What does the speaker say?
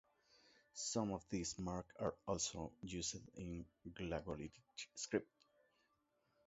Some of these marks are also used in Glagolitic script.